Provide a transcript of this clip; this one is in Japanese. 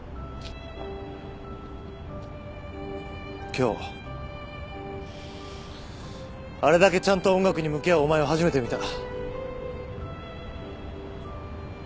今日あれだけちゃんと音楽に向き合うお前を初めて見た。